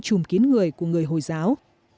trùm kiến người của người hồi giáo